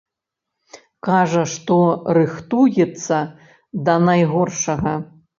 Кажа, што рыхтуецца да найгоршага.